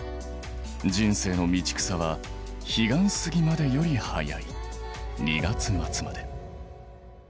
人生の「道草」は「彼岸過迄」より早い２月末まで。